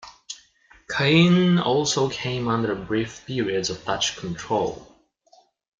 Cayenne also came under brief periods of Dutch control.